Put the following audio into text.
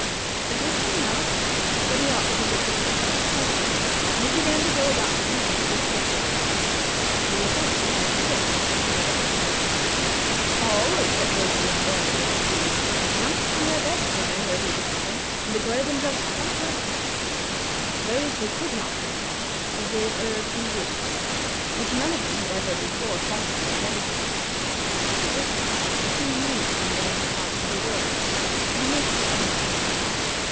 The Griffin now thought that he ought to visit the sick and the poor; and he began to go about the town for this purpose. The effect upon the sick was miraculous. All, except those who were very ill indeed, jumped from their beds when they heard he was coming, and declared themselves quite well. To those who could not get up, he gave herbs and roots, which none of them had ever before thought of as medicines, but which the Griffin had seen used in various parts of the world; and most of them recovered.